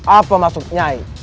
apa maksud nyai